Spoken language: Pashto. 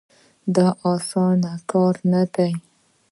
دا اسانه کار نه دی.